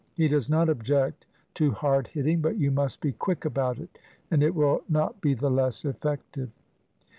He does not object to hard hitting, but you must be quick about it, and it will not be the less effective.